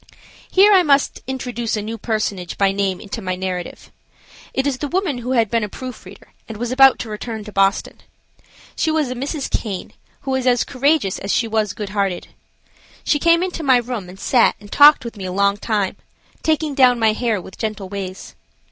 Here I must introduce a new personage by name into my narrative. It is the woman who had been a proofreader, and was about to return to Boston. She was a Mrs. Caine, who was as courageous as she was good hearted. She came into my room, and sat and talked with me a long time, taking down my hair with gentle ways.